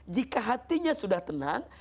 jika hatinya sudah tenang